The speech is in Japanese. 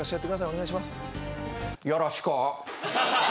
お願いします。